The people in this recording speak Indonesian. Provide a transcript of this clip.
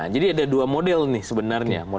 jadi ada dua model nih sebenarnya